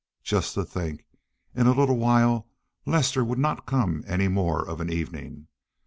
Just to think, in a little while Lester would not come any more of an evening!